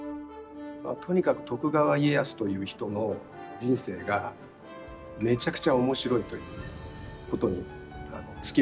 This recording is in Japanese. とにかく徳川家康という人の人生がめちゃくちゃ面白いということに尽きるんですけど。